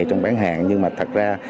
trong bán hàng nhưng mà thật ra